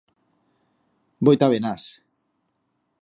Voi ta Benás.